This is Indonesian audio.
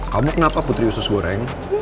kamu kenapa putri usus goreng